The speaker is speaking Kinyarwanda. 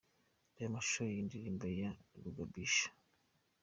Reba amashusho y'iyi ndirimbo ya Rugabisha.